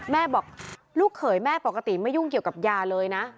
แม่บอกลูกเขยแม่ปกติไม่ยุ่งเกี่ยวกับยาเลยนะ